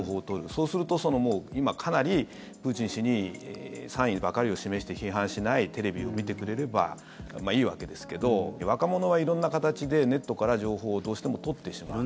そうすると今、かなりプーチン氏に賛意ばかりを示して批判しないテレビを見てくれればいいわけですけど若者は、色んな形でネットから情報をどうしても取ってしまう。